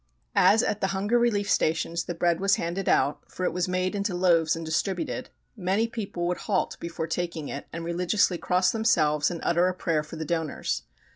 As at the hunger relief stations the bread was handed out for it was made into loaves and distributed many people would halt before taking it and religiously cross themselves and utter a prayer for the donors.